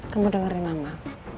kamu dengerin mama